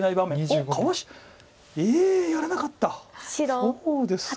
そうですか。